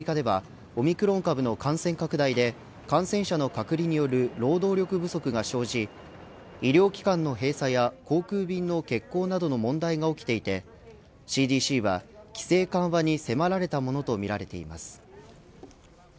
一方で、アメリカではオミクロン株の感染拡大で感染者の隔離による労働力不足が生じ医療機関の閉鎖や航空便の欠航などの問題が起きていてＣＤＣは規制緩和に迫られたものとみられています。